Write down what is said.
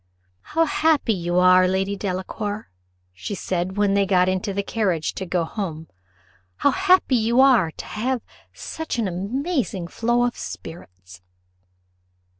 "How happy you are, Lady Delacour," said she, when they got into the carriage to go home; "how happy you are to have such an amazing flow of spirits!"